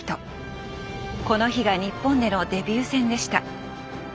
この日が日本でのデビュー戦でした。